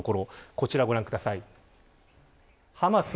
こちらご覧ください。